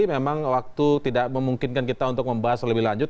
memang waktu tidak memungkinkan kita untuk membahas lebih lanjut